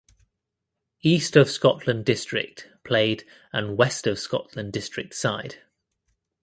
East of Scotland District played an West of Scotland District side.